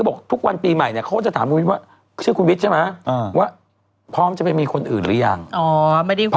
แต่ปุ๊บทุกปีเขาก็จะถามคุณวิทย์เนื่องจากคุณวิทย์เนี่ย